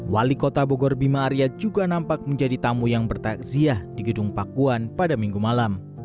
wali kota bogor bima arya juga nampak menjadi tamu yang bertakziah di gedung pakuan pada minggu malam